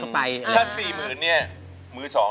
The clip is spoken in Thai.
ร้องได้ให้ร้อง